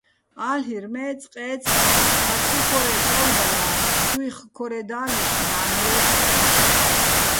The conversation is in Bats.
ალ'ირ, მე წყე́წყე̆ ხარც იხორე́ წო́ლბალარ, ჩუჲხ ქორე და́ლიშ ნა́ნ ლე́ხორ.